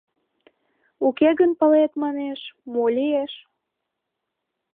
Уке гын палет, манеш, мо лиеш?